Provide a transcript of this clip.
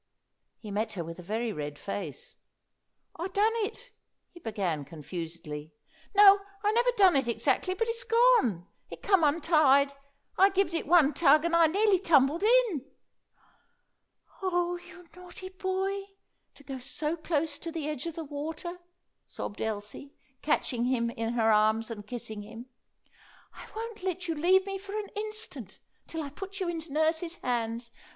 He met her with a very red face. "I done it," he began confusedly. "No, I never done it exactly, but it's gone. It come untied. I gived it one tug, and I nearly tumbled in." "Oh, you naughty boy, to go close to the edge of the water!" sobbed Elsie, catching him in her arms and kissing him. "I won't let you leave me for an instant till I put you into nurse's hands.